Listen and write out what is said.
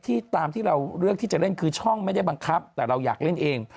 ที่ตามที่เราเลือกที่จะเล่นคือช่องไม่ได้บังคับแต่เราอยากเล่นเอง